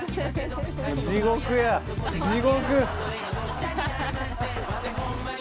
地獄や地獄！